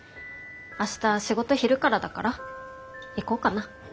明日仕事昼からだから行こうかな。